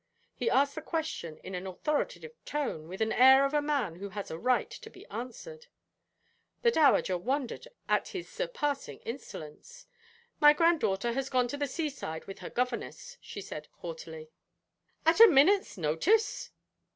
He asked the question in an authoritative tone, with the air of a man who had a right to be answered. The dowager wondered at his surpassing insolence. 'My granddaughter has gone to the seaside with her governess,' she said, haughtily. 'At a minute's notice?'